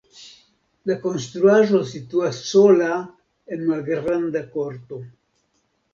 La konstruaĵo situas sola en malgranda korto.